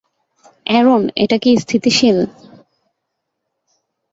Aaron, এটা স্থিতিশীল?